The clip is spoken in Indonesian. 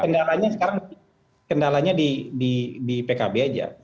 kendalanya sekarang mungkin kendalanya di pkb aja